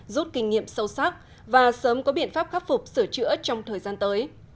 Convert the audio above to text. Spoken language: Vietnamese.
rút kinh nghiệm sâu sắc và sớm có biện pháp khắc phục sửa chữa trong thời gian tới